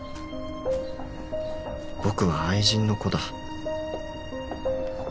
僕は愛人の子だ